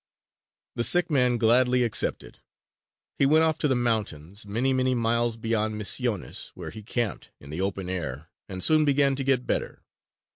The sick man gladly accepted. He went off to the mountains, many, many miles beyond Misiones, where he camped in the open air and soon began to get better.